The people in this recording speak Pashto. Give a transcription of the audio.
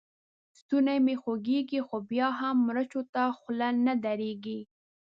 ستونی مې خوږېږي؛ خو بيا مې هم مرچو ته خوله نه درېږي.